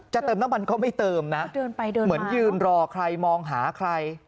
เติมน้ำมันเขาไม่เติมนะเหมือนยืนรอใครมองหาใคร